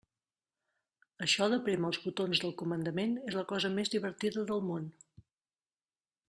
Això de prémer els botons del comandament és la cosa més divertida del món!